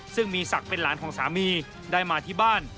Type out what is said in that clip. ซึ่งมีศักดิ์เป็นหลานของสามีได้มาที่บ้าน